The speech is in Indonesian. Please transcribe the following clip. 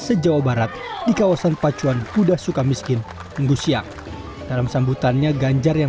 se jawa barat di kawasan pacuan kuda suka miskin minggu siang dalam sambutannya ganjar yang